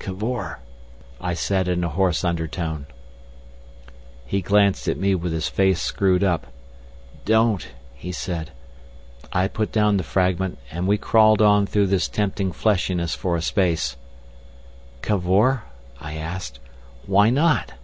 "Cavor," I said in a hoarse undertone. He glanced at me with his face screwed up. "Don't," he said. I put down the fragment, and we crawled on through this tempting fleshiness for a space. "Cavor," I asked, "why _not?